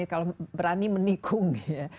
kalau berani menikung ya